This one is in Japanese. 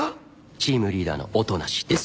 チームリーダーの音無です。